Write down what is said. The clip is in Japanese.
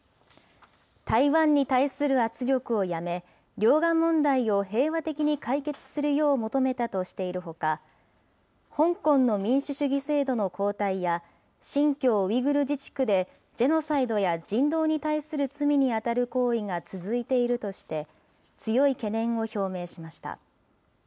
台湾に対する圧力をやめ、両岸問題を平和的に解決するよう求めたとしているほか、香港の民主主義制度の後退や、新疆ウイグル自治区でジェノサイドや人道に対する罪に当たる行為が続いているとして、強い懸念を表明しました。